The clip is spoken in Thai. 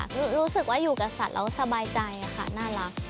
รู้สึกว่าอยู่กับสัตว์แล้วสบายใจค่ะน่ารัก